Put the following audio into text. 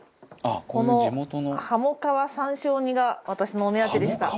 このはも皮山椒煮が私のお目当てでした。